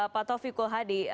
pak taufik kulhadi